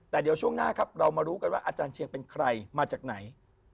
แต่เดี๋ยวช่วงหน้าครับเรามารู้กันว่าอาจารย์เชียงเป็นใครมาจากไหน